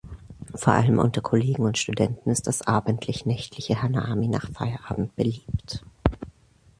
Vor allem unter Kollegen und Studenten ist das abendlich-nächtliche Hanami nach Feierabend beliebt.